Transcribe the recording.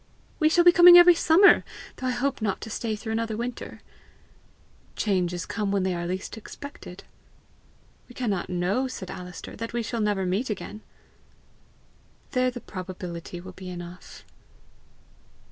"We shall be coming every summer, though I hope not to stay through another winter!" "Changes come when they are least expected!" "We cannot know," said Alister, "that we shall never meet again!" "There the probability will be enough."